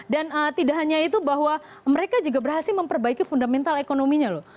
dan tidak hanya itu bahwa mereka juga berhasil memperbaiki fundamental ekonominya loh